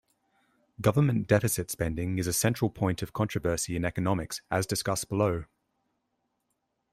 Government deficit spending is a central point of controversy in economics, as discussed below.